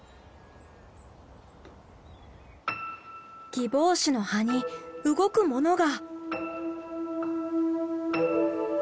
ギボウシの葉に動くものが。